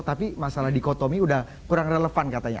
tapi masalah di kotomi sudah kurang relevan katanya